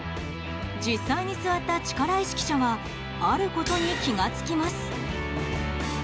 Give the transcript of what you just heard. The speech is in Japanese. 実際に座った力石記者はあることに気が付きます。